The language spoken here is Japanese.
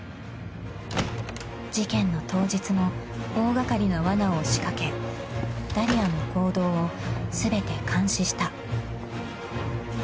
［事件の当日も大掛かりなわなを仕掛けダリアの行動を全て監視した］